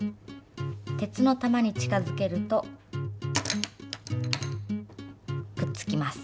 鉄の玉に近づけるとくっつきます。